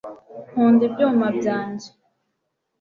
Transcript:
nkunda ibyuma byanjye